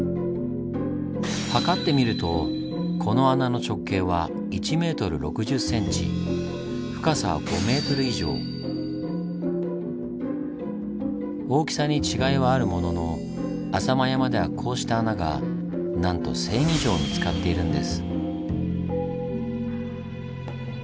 測ってみると大きさに違いはあるものの浅間山ではこうした穴がなんと１０００以上見つかっているんです。